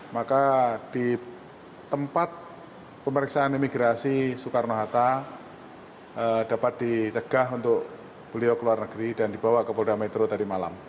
maka di tempat pemeriksaan imigrasi soekarno hatta dapat dicegah untuk beliau ke luar negeri dan dibawa ke polda metro tadi malam